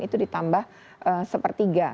itu ditambah sepertiga